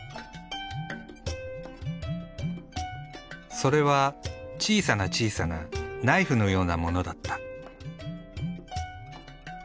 それは小さな小さなナイフのようなものだった。